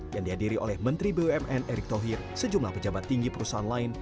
yang dihadiri oleh menteri bumn erick thohir sejumlah pejabat tinggi perusahaan lain